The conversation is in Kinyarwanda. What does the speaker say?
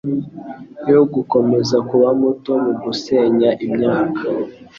yo gukomeza kuba muto mugusenya imyaka